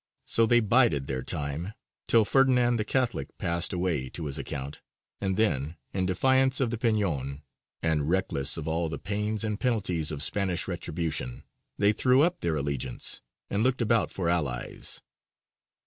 So they bided their time, till Ferdinand the Catholic passed away to his account, and then, in defiance of the Peñon, and reckless of all the pains and penalties of Spanish retribution, they threw up their allegiance, and looked about for allies.